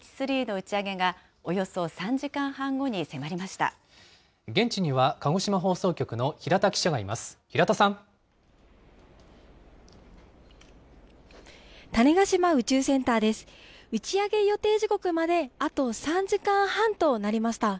打ち上げ予定時刻まであと３時間半となりました。